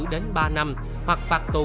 đến ba năm hoặc phạt tù